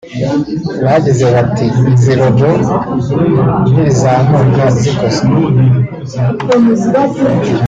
Bagize bati “Izi robots nirizamuka zikozwe